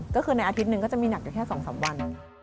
ก็คือในอาทิตย์หนึ่งก็จะมีหนักอยู่แค่๒๓วัน